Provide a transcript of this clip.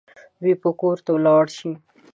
دوی به کور ته ولاړ شي